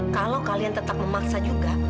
kalau kalian tetap memaksa juga